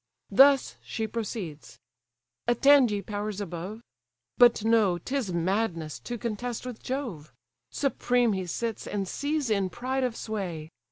Thus she proceeds—"Attend, ye powers above! But know, 'tis madness to contest with Jove: Supreme he sits; and sees, in pride of sway.